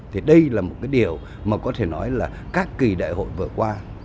thì đây là một cái điều mà có thể nói là các kỳ đại hội vừa qua